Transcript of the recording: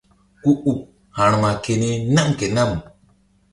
Ku uk ha̧rma keni nam ke nam.